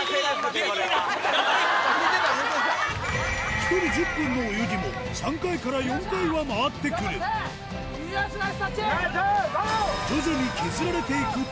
１人１０分の泳ぎも３回から４回は回ってくるよしナイスタッチ！